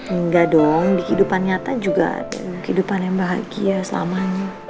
enggak dong di kehidupan nyata juga kehidupan yang bahagia selamanya